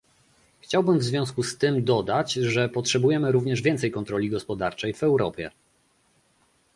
Chciałbym w związku z tym dodać, że potrzebujemy również więcej kontroli gospodarczej w Europie